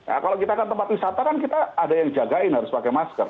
nah kalau kita ke tempat wisata kan kita ada yang jagain harus pakai masker